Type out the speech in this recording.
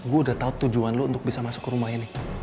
gue udah tau tujuan lo untuk bisa masuk ke rumah ini